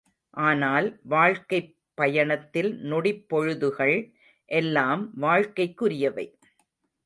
ஆனால், வாழ்க்கைப் பயணத்தில் நொடிப் பொழுதுகள் எல்லாம் வாழ்க்கைக்குரியவை.